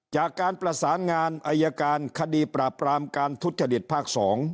จากการประสานงานอายการคดีปราบปรามการทุจริตภาค๒